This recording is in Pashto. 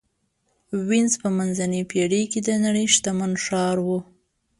وینز په منځنۍ پېړۍ کې د نړۍ شتمن ښار و.